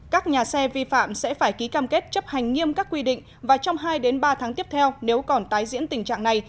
các nhà xe vi phạm sẽ phải ký cam kết chấp hành nghiêm các quy định và trong hai ba tháng tiếp theo nếu còn tái diễn tình trạng này